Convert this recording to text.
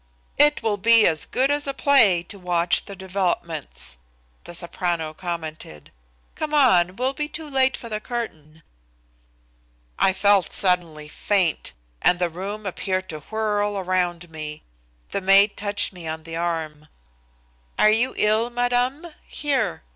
"It will be as good as a play to watch the developments," the soprano commented. "Come on, we'll be too late for the curtain." I felt suddenly faint, and the room appeared to whirl around me. The maid touched me on the arm. "Are you ill, madame? Here!"